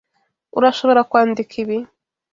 Urashobora kwandika ibi?